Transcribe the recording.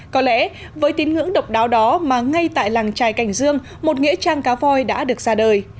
có lẽ với tín ngưỡng độc đáo đó mà ngay tại làng trài cảnh dương một nghĩa trang cá voi đã được ra đời